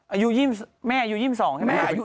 อายุ๒๒ใช่ไหมอายุ๒๒